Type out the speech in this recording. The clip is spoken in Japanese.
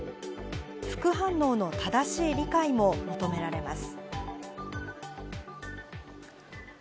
副反応の正しい理解も求められます。